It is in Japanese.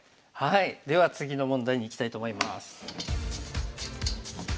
では次の問題にいきたいと思います。